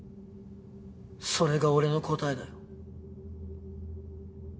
それが俺の答えだよ。